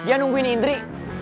dia nungguin indri